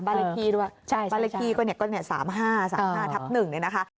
บาริกีด้วยบาริกีก็เนี่ย๓๕ทับ๑เลยนะคะ